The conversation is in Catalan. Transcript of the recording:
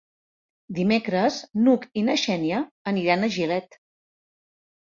Dimecres n'Hug i na Xènia aniran a Gilet.